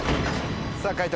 さぁ解答